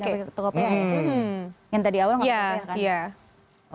pak kopi yang tadi awal gak pakai